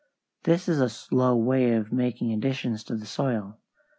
This is a slow way of making additions to the soil.